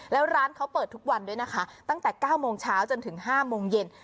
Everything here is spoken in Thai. แล้วร้านเขาเปิดทุกวันด้วยนะคะตั้งแต่๙โมงเช้าจนถึง๕โมงเย็น